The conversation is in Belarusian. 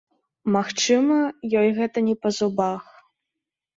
Магчыма, ёй гэта не па зубах.